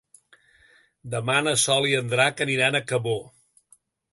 Demà na Sol i en Drac aniran a Cabó.